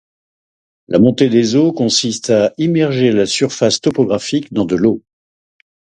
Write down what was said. La montée des eaux consiste à immerger la surface topographique dans de l'eau.